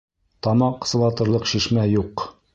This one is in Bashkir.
Тамаҡ сылатырлыҡ шишмә юҡ.